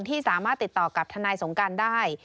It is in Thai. ที่สามารถติดต่อกับทนายสงการได้